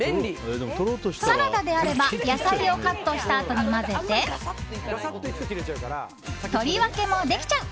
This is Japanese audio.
サラダであれば野菜をカットしたあとに混ぜて、取り分けもできちゃう！